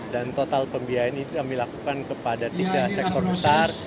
dan total pembiayaan ini kami lakukan kepada tiga sektor besar